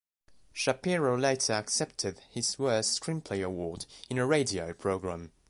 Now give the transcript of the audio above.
Shapiro later accepted his Worst Screenplay award in a radio program.